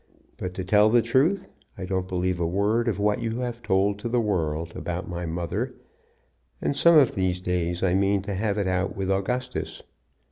But, to tell the truth, I don't believe a word of what you have told to the world about my mother, and some of these days I mean to have it out with Augustus.